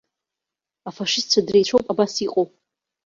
Афашистцәа дреицәоуп абас иҟоу!